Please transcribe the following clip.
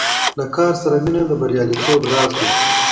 له کار سره مینه د بریالیتوب راز دی.